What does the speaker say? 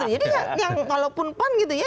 jadi yang kalau pun pan gitu ya